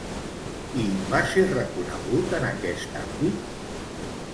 I va ser reconegut en aquest àmbit?